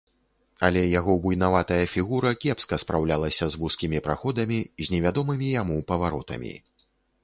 Але яго буйнаватая фігура кепска спраўлялася з вузкімі праходамі, з невядомымі яму паваротамі.